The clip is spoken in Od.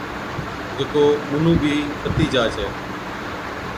جڪو مُنُون بِي کتِي جا ڇَي۔